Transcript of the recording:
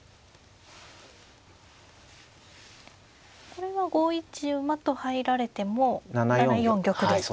これは５一馬と入られても７四玉ですか。